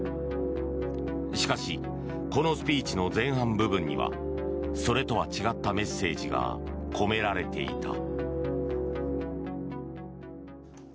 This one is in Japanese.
しかしこのスピーチの前半部分にはそれとは違ったメッセージが込められていた。